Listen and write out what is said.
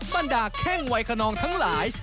บรรดาแข้งวัยคนนองทั้งหลาย